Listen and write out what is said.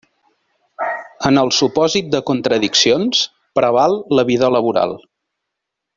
En el supòsit de contradiccions preval la vida laboral.